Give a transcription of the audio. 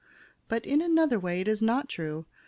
But, in another way, it is not true.